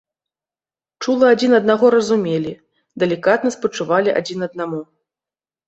Чула адзін аднаго разумелі, далікатна спачувалі адзін аднаму.